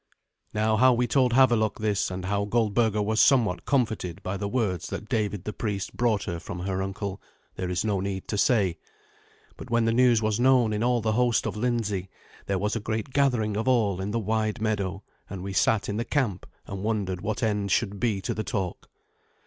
Now how we told Havelok this, and how Goldberga was somewhat comforted by the words that David the priest brought her from her uncle, there is no need to say. But when the news was known in all the host of Lindsey, there was a great gathering of all in the wide meadow, and we sat in the camp and wondered what end should be to the talk.